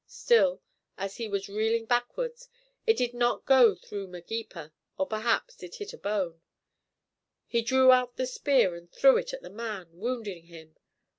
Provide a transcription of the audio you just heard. Still, as he was reeling backwards, it did not go through Magepa, or perhaps it hit a bone. He drew out the spear and threw it at the man, wounding him.